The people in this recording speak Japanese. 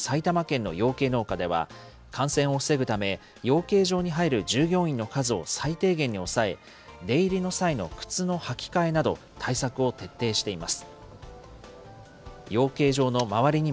およそ２７万羽を飼育している埼玉県の養鶏農家では、感染を防ぐため、養鶏場に入る従業員の数を最低限に抑え、出入りの際の靴の履き替えなど、対策を徹底しています。